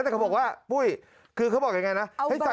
เออผมว่าเขาเตือนน่ารักนะ